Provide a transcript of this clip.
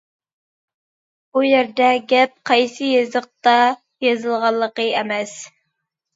بۇ يەردە گەپ قايسى يېزىقتا يېزىلغانلىقى ئەمەس.